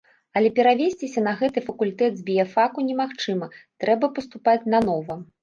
Але перавесціся на гэты факультэт з біяфаку немагчыма, трэба паступаць нанова.